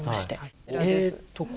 こちらです。